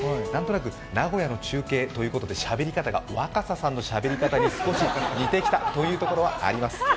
なんとなく名古屋の中継ということで、しゃべり方が若狭さんのしゃべり方に似てきたというところはあります。